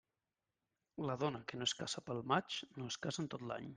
La dona que no es casa pel maig no es casa en tot l'any.